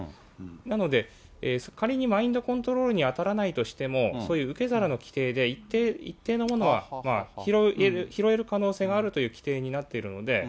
なので、仮にマインドコントロールに当たらないとしても、そういう受け皿の規定で、一定のものは拾える可能性があるという規定になっているので、